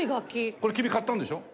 これ君買ったんでしょ？